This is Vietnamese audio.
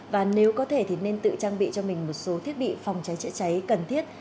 và nếu có thể thì nên tự trang bị cho mình một số thiết bị phòng cháy chữa cháy cần thiết